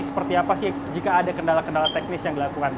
seperti apa sih jika ada kendala kendala teknis yang dilakukan